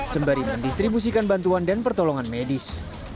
sembari mendistribusikan bantuan dan pertolongan medis